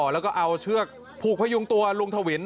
แล้วก็เอาเชือกผูกพยุงตัวลุงทวิน